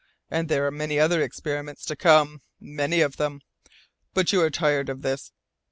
And there are many other experiments to come, many of them. But you are tired of this."